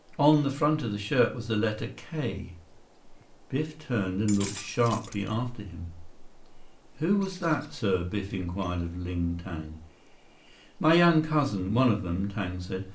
On the front of the shirt was the letter "K!" Biff turned and looked sharply after him. "Who was that, sir?" Biff inquired of Ling Tang. "My young cousin—one of them," Tang said.